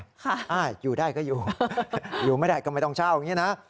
อ่าอยู่ได้ก็อยู่อยู่ไม่ได้ก็ไม่ต้องเช่าอย่างนี้นะ